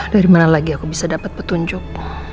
dari mana lagi aku bisa dapat petunjuk